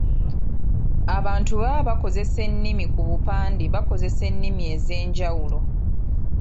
Abantu bwebaba bakozesa ennimi ku bupande bakozesa ennimi ez'enjawulo.